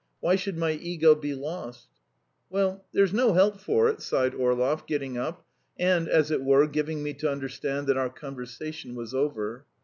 Why should my ego be lost?" "Well, there's no help for it," sighed Orlov, getting up and, as it were, giving me to understand that our conversation was over.